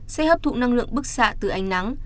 sẽ hấp thụ năng lượng bức xạ từ ánh nắng